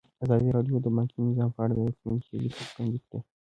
ازادي راډیو د بانکي نظام په اړه د راتلونکي هیلې څرګندې کړې.